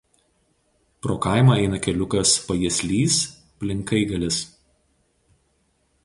Pro kaimą eina keliukas Pajieslys–Plinkaigalis.